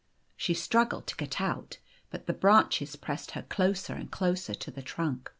She struggled to get out, but the branches pressed her closer and closer to the trunk.